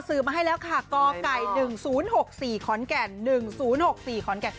ซื้อมาให้แล้วค่ะคก๑๐๖๔ค๑๐๖๔ค๔มาแล้วนะ